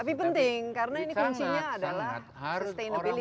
tapi penting karena ini kuncinya adalah sustainability